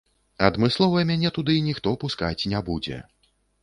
Адмыслова мяне туды ніхто пускаць не будзе.